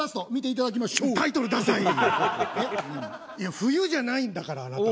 いや冬じゃないんだからあなた。